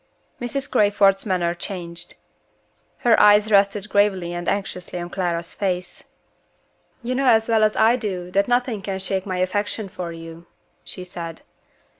Mrs. Crayford's manner changed. Her eyes rested gravely and anxiously on Clara's face. "You know as well as I do that nothing can shake my affection for you," she said.